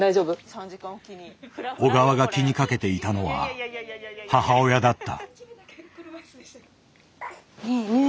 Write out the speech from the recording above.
小川が気にかけていたのは母親だった。